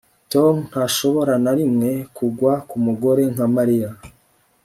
Tom ntashobora na rimwe kugwa kumugore nka Mariya